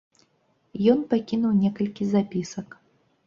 Ён пакінуў некалькі запісак.